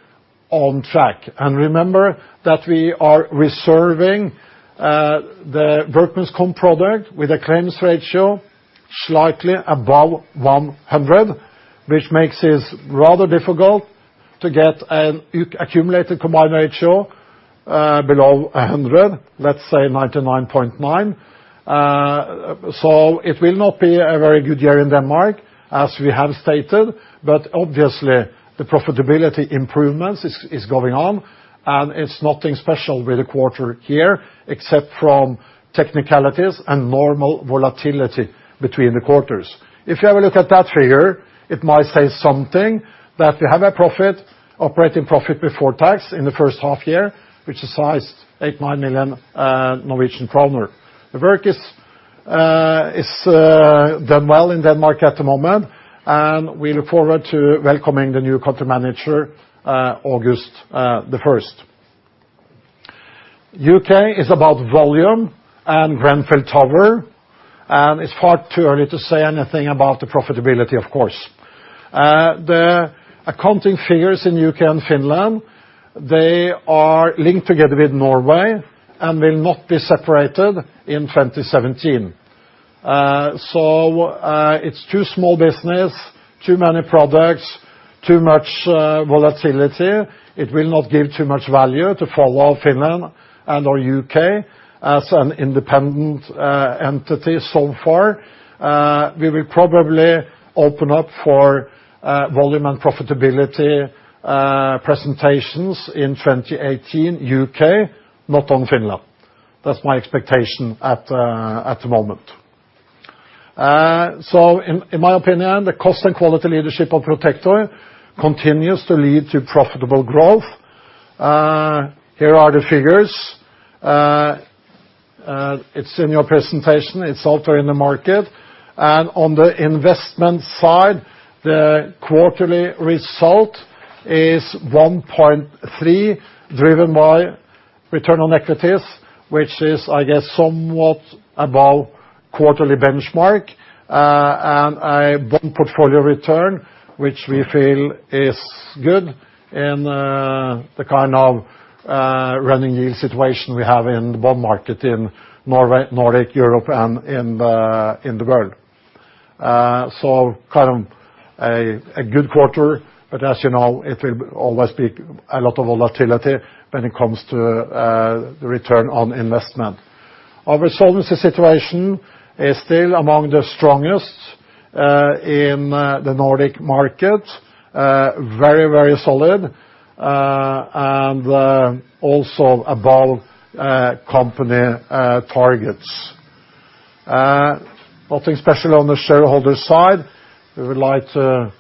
on track. Remember that we are reserving the Workers' Comp product with a claims ratio slightly above 100, which makes it rather difficult to get an accumulated combined ratio below 100, let's say 99.9. It will not be a very good year in Denmark, as we have stated. Obviously, the profitability improvements is going on, and it's nothing special with the quarter here, except from technicalities and normal volatility between the quarters. If you have a look at that figure, it might say something that we have a profit, operating profit before tax in the first half year, which is sized 89 million Norwegian kroner. The work is done well in Denmark at the moment, and we look forward to welcoming the new country manager August the 1st. U.K. is about volume and Grenfell Tower. It's far too early to say anything about the profitability, of course. The accounting figures in U.K. and Finland, they are linked together with Norway and will not be separated in 2017. It's too small business, too many products, too much volatility. It will not give too much value to follow Finland and/or U.K. as an independent entity so far. We will probably open up for volume and profitability presentations in 2018 U.K., not on Finland. That's my expectation at the moment. In my opinion, the cost and quality leadership of Protector continues to lead to profitable growth. Here are the figures. It's in your presentation. It's out there in the market. On the investment side, the quarterly result is 1.3, driven by return on equities, which is, I guess, somewhat above quarterly benchmark. A bond portfolio return, which we feel is good in the kind of running yield situation we have in the bond market in Nordic Europe and in the world. A good quarter, but as you know, it will always be a lot of volatility when it comes to the return on investment. Our solvency situation is still among the strongest in the Nordic market. Very solid, also above company targets. Nothing special on the shareholder side. We would like to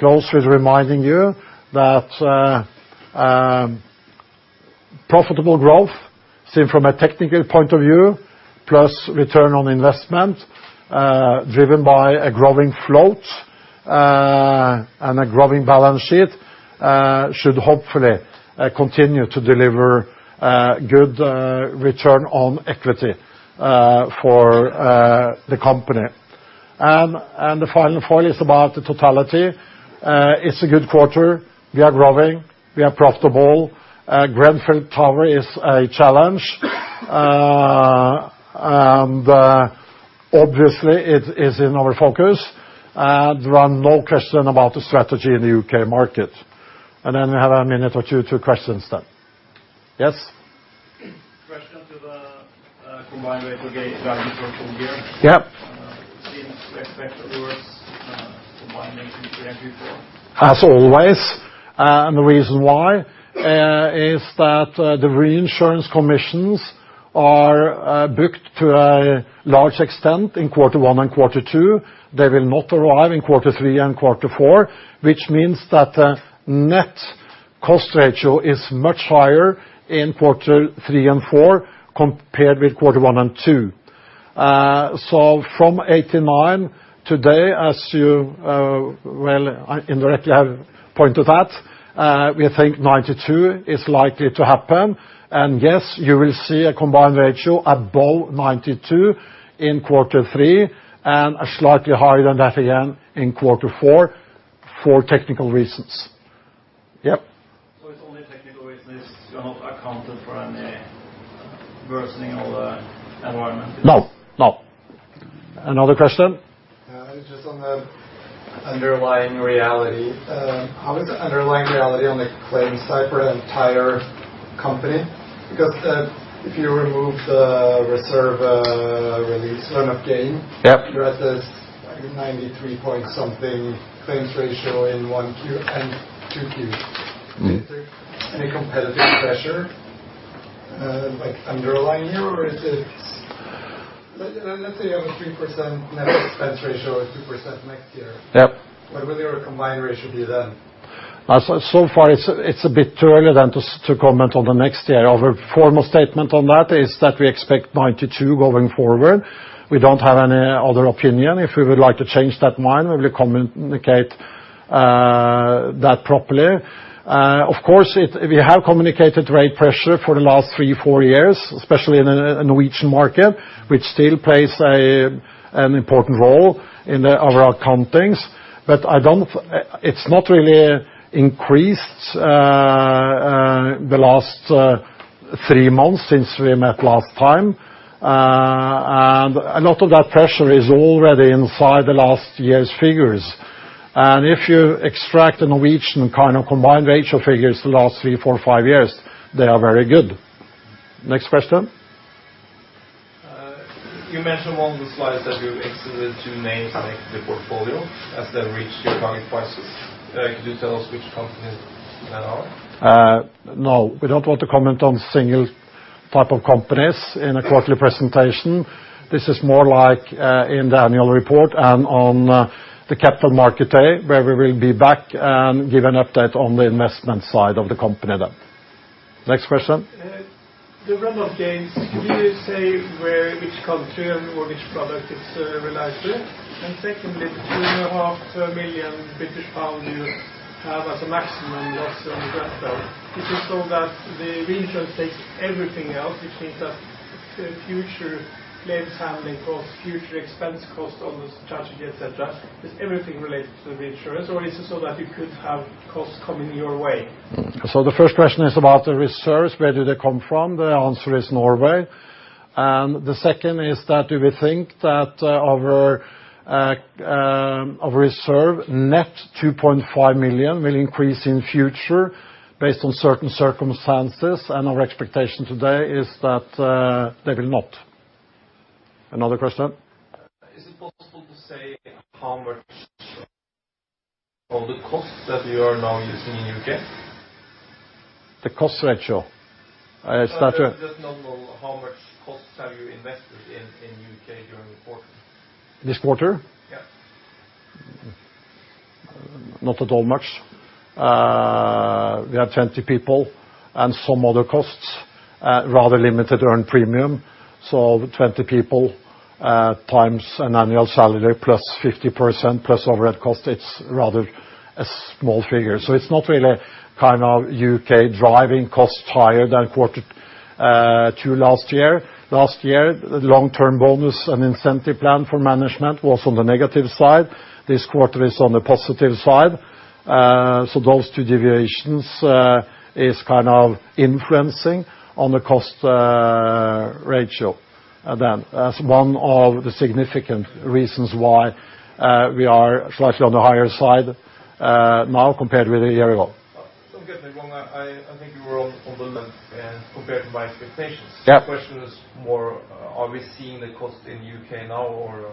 go through reminding you that profitable growth, seen from a technical point of view, plus return on investment, driven by a growing float, and a growing balance sheet, should hopefully continue to deliver good return on equity for the company. The final point is about the totality. It's a good quarter. We are growing. We are profitable. Grenfell Tower is a challenge. Obviously, it is in our focus. There are no question about the strategy in the U.K. market. We have a minute or two for questions then. Yes. Question to the combined ratio gain guidance for full year. Yep. It seems to expect worse combined ratio than Q4. As always. The reason why is that the reinsurance commissions are booked to a large extent in quarter one and quarter two. They will not arrive in quarter three and quarter four, which means that the net cost ratio is much higher in quarter three and four compared with quarter one and two. From 89% today, as you, well, indirectly have pointed that, we think 92% is likely to happen. Yes, you will see a combined ratio above 92% in quarter three and slightly higher than that again in quarter four for technical reasons. Yep. It's only technical reasons. You have not accounted for any worsening of the environment? No, no. Another question? Just on the underlying reality. How is the underlying reality on the claims side for the entire company? Because if you remove the reserve release one off gain. Yep You're at this 93 point something claims ratio in 1Q and 2Qs. Is there any competitive pressure underlying here? Let's say you have a 3% net expense ratio or 2% next year. Yep. What will your combined ratio be then? So far it's a bit too early then to comment on the next year. Our formal statement on that is that we expect 92 going forward. We don't have any other opinion. If we would like to change that mind, we will communicate that properly. Of course, we have communicated rate pressure for the last three, four years, especially in the Norwegian market, which still plays an important role in our accountings. It's not really increased the last three months since we met last time. A lot of that pressure is already inside the last year's figures. If you extract the Norwegian combined ratio figures the last three, four, five years, they are very good. Next question. You mentioned on the slides that you exited two names in the portfolio as they reached your target prices. Could you tell us which companies that are? No. We don't want to comment on single type of companies in a quarterly presentation. This is more like in the annual report and on the capital market day, where we will be back and give an update on the investment side of the company then. Next question. The run of gains, can you say which country or which product it's related to? Secondly, 2.5 million British pounds you have as a maximum loss on Grenfell. Is it so that the reinsurance takes everything else, which means that future claims handling costs, future expense costs on the tragedy, et cetera, is everything related to the reinsurance, or is it so that you could have costs coming your way? The first question is about the reserves, where do they come from? The answer is Norway. The second is that do we think that our reserve, net 2.5 million, will increase in future based on certain circumstances, and our expectation today is that they will not. Another question. Is it possible to say how much of the cost that you are now using in U.K.? The cost ratio. Just how much costs have you invested in U.K. during the quarter? This quarter? Yes. Not at all much. We have 20 people and some other costs, rather limited earned premium. 20 people times an annual salary plus 50% plus overhead cost, it's rather a small figure. It's not really U.K. driving costs higher than quarter two last year. Last year, the long-term bonus and incentive plan for management was on the negative side. This quarter is on the positive side. Those two deviations is influencing on the cost ratio. That's one of the significant reasons why we are slightly on the higher side now compared with a year ago. Don't get me wrong. I think you were on the low end compared to my expectations. Yeah. The question is more, are we seeing the cost in U.K. now or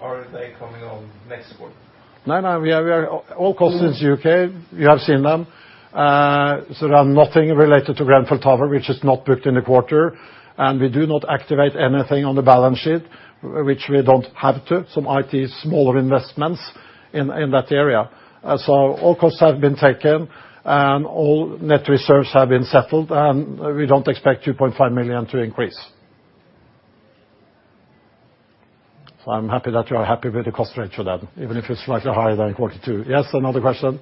are they coming on next quarter? No. All costs in U.K., you have seen them. Nothing related to Grenfell Tower, which is not booked in the quarter. We do not activate anything on the balance sheet, which we don't have to. Some IT smaller investments in that area. All costs have been taken, and all net reserves have been settled, and we don't expect 2.5 million to increase. I'm happy that you are happy with the cost ratio, even if it's slightly higher than in quarter two. Yes, another question.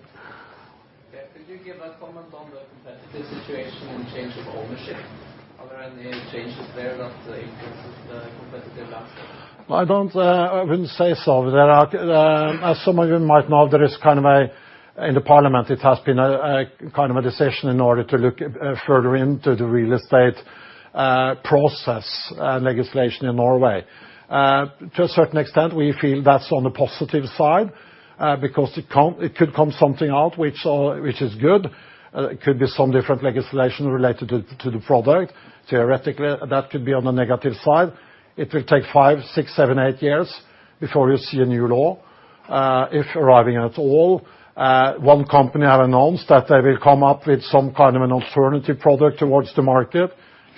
Yes, could you give a comment on the competitive situation and Change of Ownership? Are there any changes there that influences the competitive landscape? I wouldn't say so. As some of you might know, in the parliament, it has been a decision in order to look further into the real estate process legislation in Norway. To a certain extent, we feel that's on the positive side, because it could come something out which is good. It could be some different legislation related to the product. Theoretically, that could be on the negative side. It will take five, six, seven, eight years before you see a new law, if arriving at all. One company have announced that they will come up with some kind of an alternative product towards the market,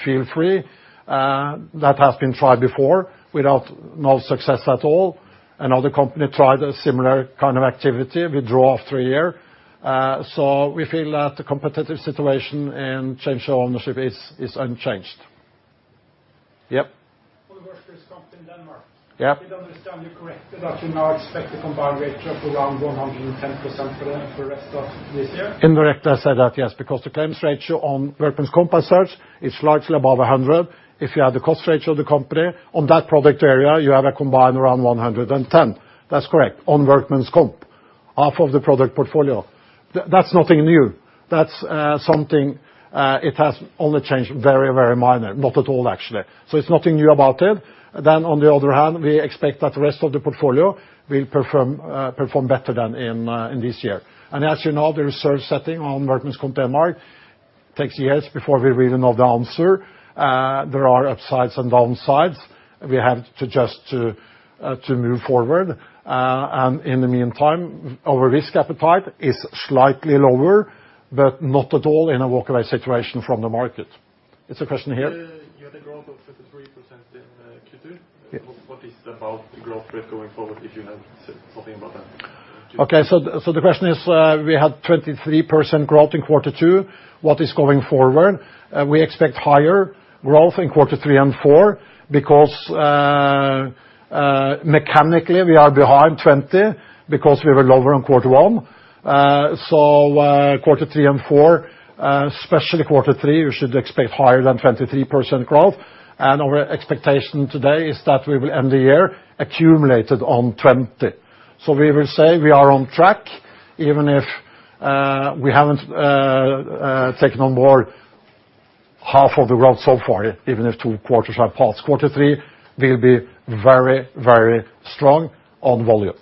feel-free. That has been tried before with no success at all. Another company tried a similar kind of activity, withdraw after a year. We feel that the competitive situation and Change of Ownership is unchanged. Yep. For the Workers' Comp in Denmark. Yeah. Did I understand you correctly that you now expect a combined ratio of around 110% for the rest of this year? Indirectly I said that, yes, because the claims ratio on [inaudible] is largely above 100. If you have the cost ratio of the company on that product area, you have a combined around 110. That's correct. On workmen's comp, half of the product portfolio. That's nothing new. It has only changed very minor. Not at all, actually. It's nothing new about it. On the other hand, we expect that the rest of the portfolio will perform better than in this year. As you know, the reserve setting on workmen's comp Denmark takes years before we really know the answer. There are upsides and downsides. We have to just move forward. In the meantime, our risk appetite is slightly lower, but not at all in a localized situation from the market. It's a question here. You had a growth of 23% in Q2. Yeah. What is about the growth rate going forward, if you have something about that? The question is, we had 23% growth in quarter two, what is going forward? We expect higher growth in quarter three and four because mechanically we are behind 20% because we were lower in quarter one. Quarter three and four, especially quarter three, we should expect higher than 23% growth. Our expectation today is that we will end the year accumulated on 20%. We will say we are on track, even if we haven't taken on board half of the growth so far, even if two quarters are passed. Quarter three, we'll be very strong on volume.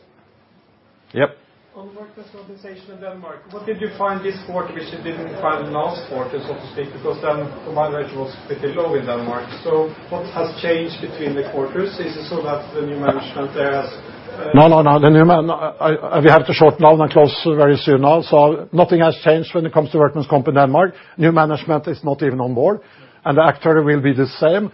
Yep. On workmen's compensation in Denmark, what did you find this quarter which you didn't find last quarter, so to speak? Combined ratio was pretty low in Denmark. What has changed between the quarters? Is it so that the new management there has? No. We have to shorten now and close very soon now. Nothing has changed when it comes to workmen's comp in Denmark. New management is not even on board, and the actor will be the same.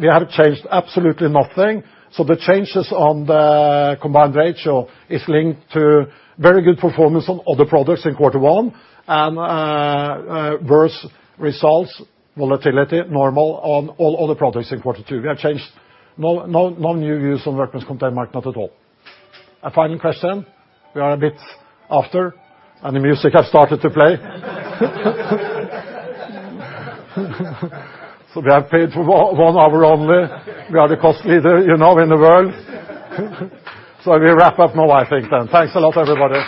We have changed absolutely nothing. The changes on the combined ratio is linked to very good performance on other products in quarter one, and worse results, volatility, normal, on all other products in quarter two. We have changed no [inaudible] on workmen's comp Denmark, not at all. A final question. We are a bit after, and the music has started to play. We have paid for one hour only. We are the cost leader in the world. We wrap up now, I think then. Thanks a lot, everybody.